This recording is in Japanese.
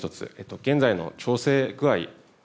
現在の調整具合